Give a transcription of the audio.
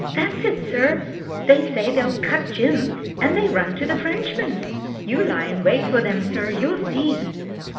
" That's it, sir, they say they'll ' cut Jim,' and they run to the Frenchman's. You lie in wait for them, sir, you'll see."